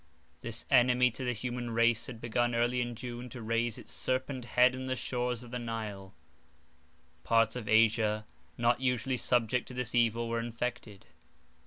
This enemy to the human race had begun early in June to raise its serpent head on the shores of the Nile; parts of Asia, not usually subject to this evil, were infected.